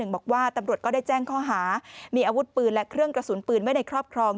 บอกว่าตำรวจก็ได้แจ้งข้อหามีอาวุธปืนและเครื่องกระสุนปืนไว้ในครอบครอง